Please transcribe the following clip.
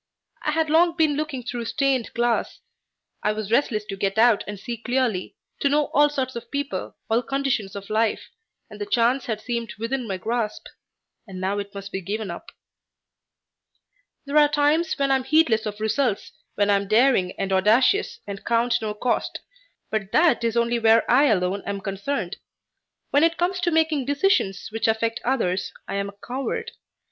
I had long been looking through stained glass. I was restless to get out and see clearly, to know all sorts of people, all conditions of life, and the chance had seemed within my grasp and now it must be given up. There are times when I am heedless of results, when I am daring and audacious and count no cost, but that is only where I alone am concerned. When it comes to making decisions which affect others I am a coward.